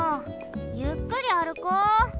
ゆっくりあるこう。